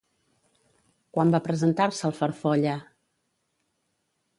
Quan va presentar-se el Farfolla?